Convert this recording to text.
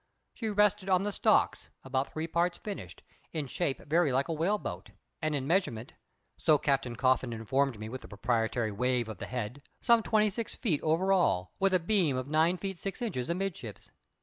She rested on the stocks, about three parts finished, in shape very like a whaleboat, and in measurement so Captain Coffin informed me, with a proprietary wave of the hand some twenty nix feet over all, with a beam of nine feet six inches amidships.